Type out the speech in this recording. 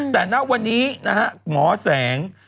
แต่ตอนวันนี้มอแสง